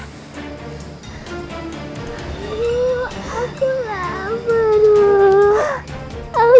ibu aku lapar